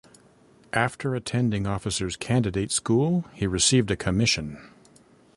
After attending Officer's Candidate School he received a commission.